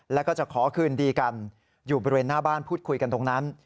แล้วก็จะขอคืนดีกันอยู่บริเวณหน้าบ้านพูดคุยกันตรงนั้น